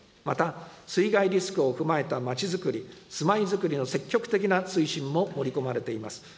また、水害リスクを踏まえたまちづくり、住まいづくりの積極的な推進も盛り込まれています。